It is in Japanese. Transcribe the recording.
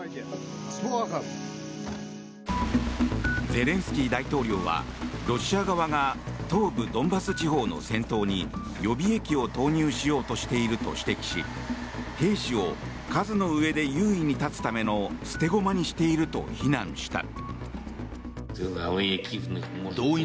ゼレンスキー大統領はロシア側が東部ドンバス地方の先頭に予備役を投入しようとしていると指摘し兵士を数の上で優位に立つための捨て駒にしていると非難した。